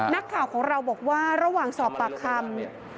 นักข่าวของเราบอกว่าระหว่างสอบปากคำ